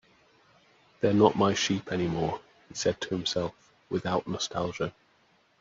"They're not my sheep anymore," he said to himself, without nostalgia.